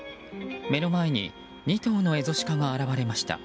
目の前に２頭のエゾシカが現れました。